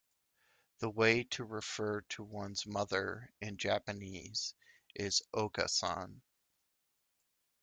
The way to refer to one's mother, in Japanese, is "okaa-san".